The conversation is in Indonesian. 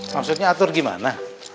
maksudnya atur gimana